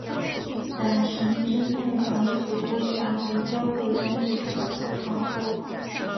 打神之内容几乎全为焦桂英一角所唱出。